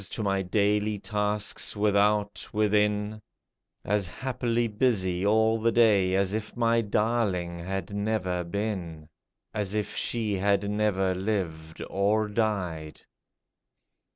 To my daily tasks, without, within, As happily busy all the day As if my darling had never been !— As if she had never lived, or died